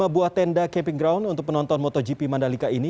tujuh puluh lima buah tenda camping ground untuk penonton motogp mandalika ini